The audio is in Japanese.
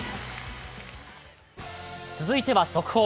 続いては、速報。